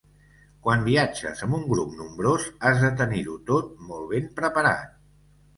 Quan viatges amb un grup nombrós, has de tenir-ho tot molt ben preparat.